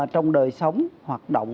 trong đời sống hoạt động